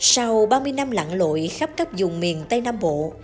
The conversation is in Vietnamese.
sau ba mươi năm lặng lội khắp các vùng miền tây nam bộ